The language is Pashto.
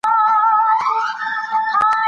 غزني د افغان ځوانانو د هیلو استازیتوب کوي.